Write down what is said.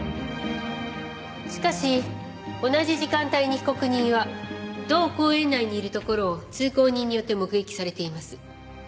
しかし同じ時間帯に被告人は同公園内にいるところを通行人によって目撃されています。